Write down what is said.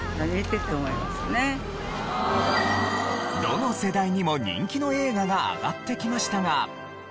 どの世代にも人気の映画が挙がってきましたが。